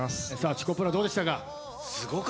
チョコプラどうでしたか？